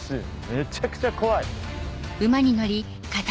めちゃくちゃ怖い。